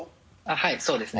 はいそうですね。